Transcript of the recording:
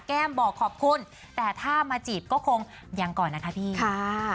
แก้มบอกขอบคุณแต่ถ้ามาจีบก็คงยังก่อนนะคะพี่ค่ะ